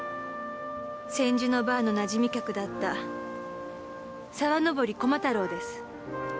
千住のバーのなじみ客だった沢登駒太郎です。